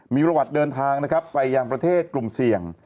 มีบริวัตรเดินทางไปยังประเทศกลมเสี่ยง